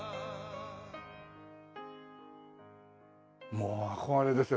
もう憧れですよ。